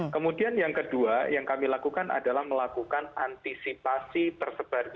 kemudian yang kedua yang kami lakukan adalah melakukan antisipasi tersebar